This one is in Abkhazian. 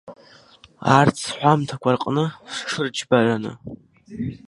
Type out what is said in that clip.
Арҭ сҳәамҭақәа рҟны сҽырџьбараны.